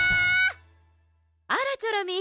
あらチョロミー。